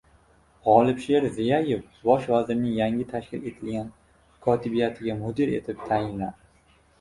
G‘olibsher Ziyayev Bosh vazirning yangi tashkil etilgan kotibiyatiga mudir etib tayinlandi